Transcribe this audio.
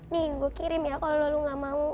nih gue kirim ya kalau lo gak mau